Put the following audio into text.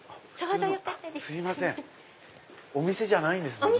すいませんお店じゃないんですもんね。